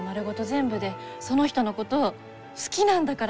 全部でその人のこと好きなんだからさ！